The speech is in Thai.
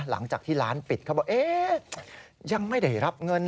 หลังจากที่ร้านปิดเขาบอกเอ๊ะยังไม่ได้รับเงิน